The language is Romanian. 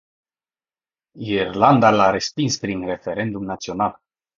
Irlanda l-a respins prin referendum național.